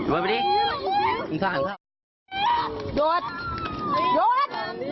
ป๊าป๊าบีป๊าบี